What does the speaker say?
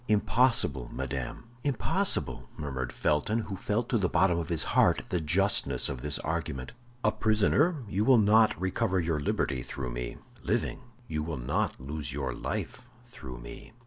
"Impossible, madame, impossible," murmured Felton, who felt to the bottom of his heart the justness of this argument. "A prisoner, you will not recover your liberty through me; living, you will not lose your life through me."